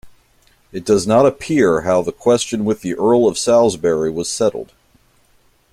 It does not appear how the question with the Earl of Salisbury was settled.